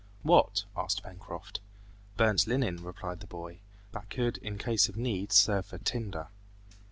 "What?" asked Pencroft. "Burnt linen," replied the boy. "That could in case of need serve for tinder."